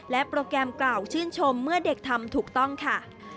โปรแกรมกล่าวชื่นชมเมื่อเด็กทำถูกต้องค่ะ